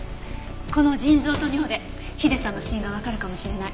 この腎臓と尿でヒデさんの死因がわかるかもしれない。